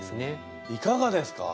いかがですか？